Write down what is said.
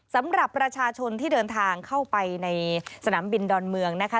สำหรับประชาชนที่เดินทางเข้าไปในสนามบินดอนเมืองนะคะ